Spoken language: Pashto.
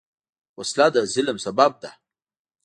وسله د ظلم سبب ده